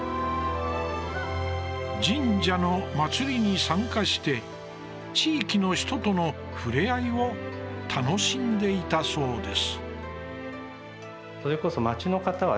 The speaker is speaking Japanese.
神社の祭りに参加して地域の人との触れ合いを楽しんでいたそうです。